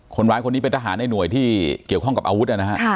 คนร้ายคนนี้เป็นทหารในหน่วยที่เกี่ยวข้องกับอาวุธนะฮะ